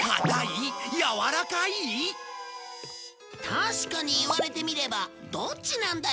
確かに言われてみればどっちなんだろう？